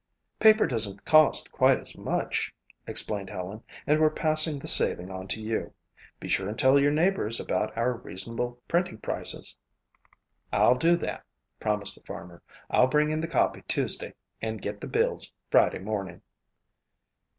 "Paper doesn't cost quite as much," explained Helen, "and we're passing the saving on to you. Be sure and tell your neighbors about our reasonable printing prices." "I'll do that," promised the farmer. "I'll bring in the copy Tuesday and get the bills Friday morning."